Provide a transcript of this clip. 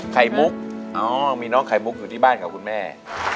ไข่มุกอ๋อมีน้องไข่มุกอยู่ที่บ้านกับคุณแม่